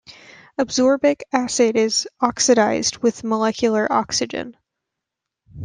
Ascorbic acid is oxidised with molecular oxygen.